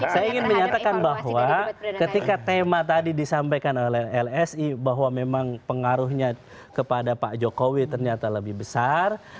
saya ingin menyatakan bahwa ketika tema tadi disampaikan oleh lsi bahwa memang pengaruhnya kepada pak jokowi ternyata lebih besar